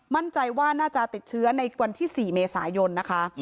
มั่นใจว่าน่าจะติดเชื้อในวันที่๔เมษายนนะคะ